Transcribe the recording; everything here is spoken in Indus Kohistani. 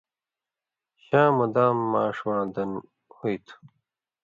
شاں مُدام ماݜواں دَن ہُوئ تُھو